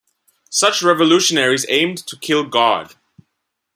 Such revolutionaries aimed to kill God.